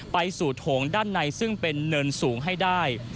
ไปสู่โถงด้านในซึ่งเป็นเนินสูงให้ได้